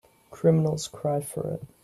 Criminals cry for it.